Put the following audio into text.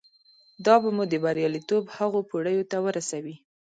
دا به مو د برياليتوب هغو پوړيو ته ورسوي.